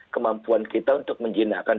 kemampuan kita untuk menjelaskan